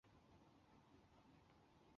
截萼忍冬为忍冬科忍冬属下的一个种。